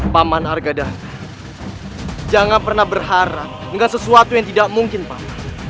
paman hargadana jangan pernah berharap dengan sesuatu yang tidak mungkin paman